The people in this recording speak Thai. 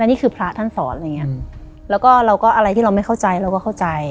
นี่คือพระท่านสอนอะไรอย่างเงี้ยแล้วก็เราก็อะไรที่เราไม่เข้าใจเราก็เข้าใจ